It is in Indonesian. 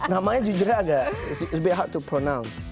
namanya jujur agak it's a bit hard to pronounce